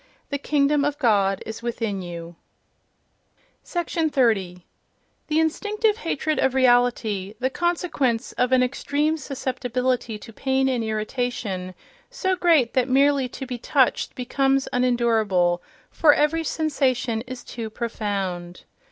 "The Kingdom of God is within you".... 30. The instinctive hatred of reality: the consequence of an extreme susceptibility to pain and irritation—so great that merely to be "touched" becomes unendurable, for every sensation is too profound.